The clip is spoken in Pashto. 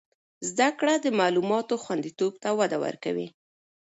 زده کړه د معلوماتو خوندیتوب ته وده ورکوي.